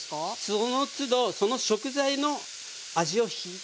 そのつどその食材の味を引き出す。